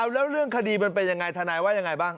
แล้วเรื่องคดีมันเป็นยังไงทนายว่ายังไงบ้าง